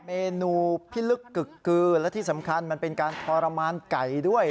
เมนูพิลึกกึกกือและที่สำคัญมันเป็นการทรมานไก่ด้วย